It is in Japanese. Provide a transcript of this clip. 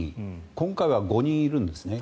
今回は５人いるんですね。